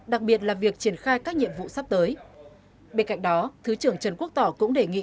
đặc biệt là việc triển khai các nhiệm vụ sắp tới bên cạnh đó thứ trưởng trần quốc tỏ cũng đề nghị